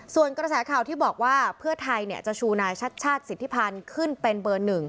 ส่วนกระแสข่าวที่บอกว่าเพื่อไทยจะชูนายชัดชาติสิทธิพันธ์ขึ้นเป็นเบอร์๑